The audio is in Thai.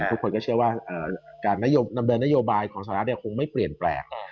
ทุกคนก็เชื่อว่าการดำเนินนโยบายของสหรัฐคงไม่เปลี่ยนแปลง